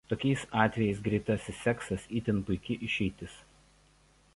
Tokiais atvejais greitasis seksas itin puiki išeitis.